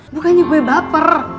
bukannya gue baper